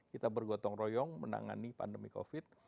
kita bergotong royong menangani pandemi covid